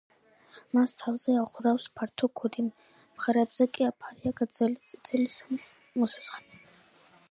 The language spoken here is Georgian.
მას თავზე ახურავს ფართო ქუდი, მხრებზე კი აფარია გრძელი წითელი მოსასხამი.